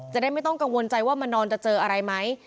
จะได้ไม่ต้องกังวลใจว่ามานอนจะเจออะไรไหม